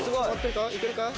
いけるか？